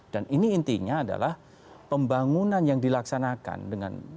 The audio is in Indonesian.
dan ini intinya adalah pembangunan yang dilaksanakan dengan pembangunan infrastruktur dasar